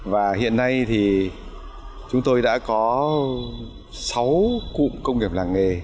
và hiện nay thì chúng tôi đã có sáu cụm công nghiệp làng nghề